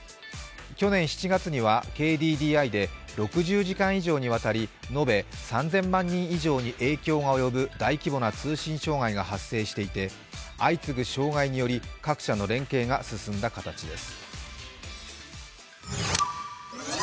去年７月にはＫＤＤＩで６０時間以上にわたり延べ３０００万人以上に影響が及ぶ大規模な通信障害が発生していて相次ぐ障害により各社の連携が進んだ形です。